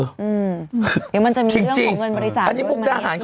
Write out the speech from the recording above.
หรือมันจะมีเงินบรัิจาคด้วยบรรยาศาสนีด